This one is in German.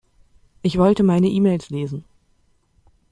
Ich wollte meine E-Mails lesen.